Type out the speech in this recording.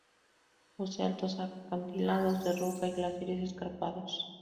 Posee altos acantilados de roca y glaciares escarpados.